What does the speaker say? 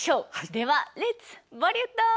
では、レッツボリウッド！